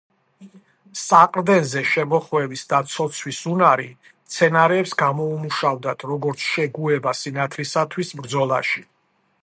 საყრდენზე შემოხვევის და ცოცვის უნარი მცენარეებს გამოუმუშავდათ როგორც შეგუება სინათლისათვის ბრძოლაში.